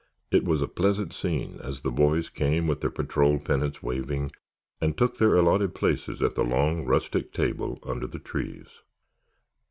It was a pleasant scene as the boys came with their patrol pennants waving, and took their allotted places at the long rustic table under the trees.